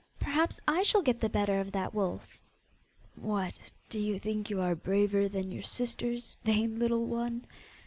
Perhaps I shall get the better of that wolf!' 'What, do you think you are braver than your sisters, vain little one?